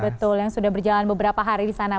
betul yang sudah berjalan beberapa hari di sana